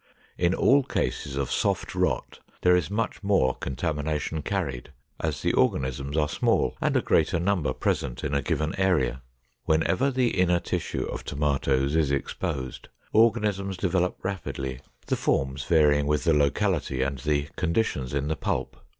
In all cases of soft rot, there is much more contamination carried, as the organisms are small and a greater number present in a given area. Whenever the inner tissue of tomatoes is exposed, organisms develop rapidly, the forms varying with the locality and the conditions in the pulp.